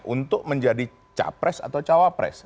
untuk menjadi capres atau cawapres